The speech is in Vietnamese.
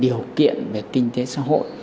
điều kiện về kinh tế xã hội